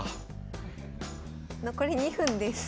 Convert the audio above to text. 残り２分です。